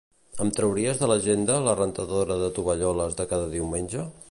Em trauries de l'agenda la rentadora de tovalloles de cada diumenge?